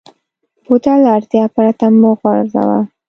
بوتل له اړتیا پرته مه غورځوه.